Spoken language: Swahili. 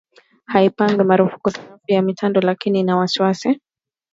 haijapiga marufuku sarafu ya kimtandao lakini ina wasiwasi